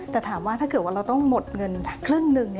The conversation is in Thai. แต่ถามว่าถ้าเกิดว่าเราต้องหมดเงินครึ่งหนึ่ง